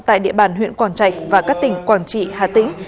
tại địa bàn huyện quảng trạch và các tỉnh quảng trị hà tĩnh